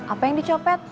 apa yang dicopet